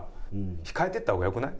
控えていった方がよくない？